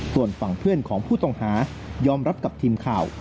ส่วนฝั่งเพื่อนของผู้ต้องหายอมรับกับทีมข่าว